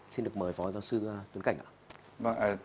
xin được mời phó giáo sư tuấn cảnh ạ